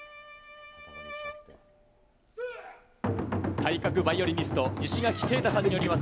体格バイオリニスト、西垣けいたさんによります